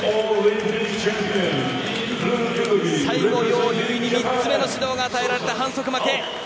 最後はヨウ・ユウイに３つ目の指導が与えられ反則負け。